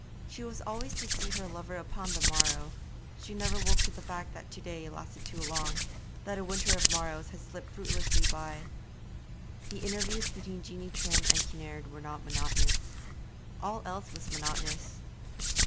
She was always to see her lover upon the morrow; she never woke to the fact that 'to day' lasted too long, that a winter of morrows had slipped fruitless by. The interviews between Jeanie Trim and Kinnaird were not monotonous. All else was monotonous.